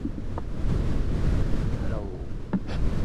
行動主義